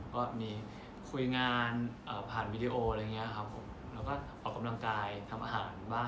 ก็มีคุยงานผ่านวีดีโออะไรอย่างเงี้ยครับผมแล้วก็ออกกำลังกายทำอาหารบ้าง